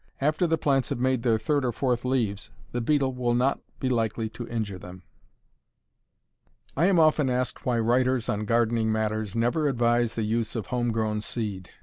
After the plants have made their third or fourth leaves the beetle will not be likely to injure them. I am often asked why writers on gardening matters never advise the use of home grown seed.